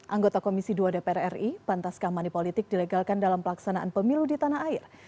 anggota komisi dua dpr ri pantaskah mani politik dilegalkan dalam pelaksanaan pemilu di tanah air